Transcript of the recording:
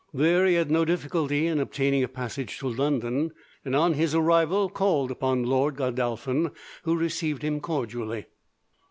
There he had no difficulty in obtaining a passage to London, and on his arrival called upon Lord Godolphin, who received him cordially.